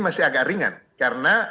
masih agak ringan karena